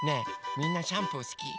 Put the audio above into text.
みんなシャンプーすき？